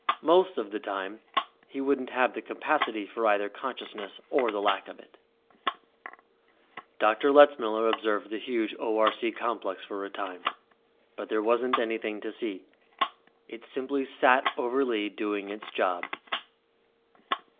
Most of the time he wouldn't have the capacity for either consciousness or the lack of it. Dr. Letzmiller observed the huge ORC complex for a time, but there wasn't anything to see. It simply sat over Lee, doing its job.